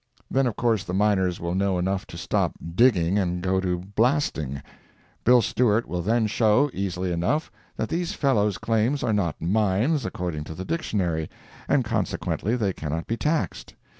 Then of course, the miners will know enough to stop "digging" and go to blasting. Bill Stewart will then show, easily enough, that these fellows' claims are not "mines" according to the dictionary, and consequently they cannot be taxed.